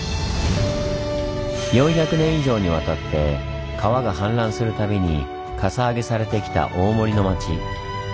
４００年以上にわたって川が氾濫する度にかさ上げされてきた大森の町。